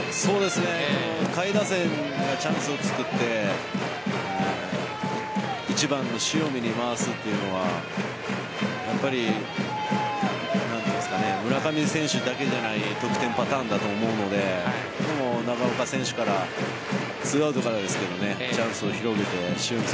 下位打線がチャンスをつくって１番の塩見に回すというのはやっぱり村上選手だけじゃない得点パターンだと思うので今日も長岡選手から２アウトからですけどチャンスを広げて塩見